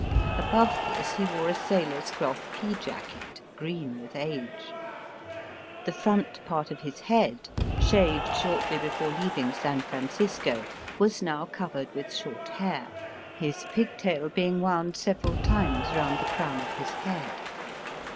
Above this he wore a sailor's cloth pea jacket, green with age. The front Digitized by VjOOQIC 174 EAST BY WEST. part of his head, shaved shortly hefore leaving San Francisco, was now covered with short hair, his pigtail being wound several times round the crown of his head.